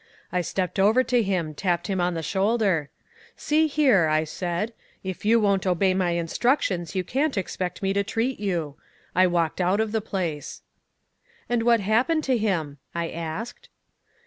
I stepped over to him tapped him on the shoulder: 'See here,' I said, 'if you won't obey my instructions, you can't expect me to treat you.' I walked out of the place." "And what happened to him?" I asked.